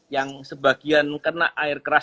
yang sebagian kena air keras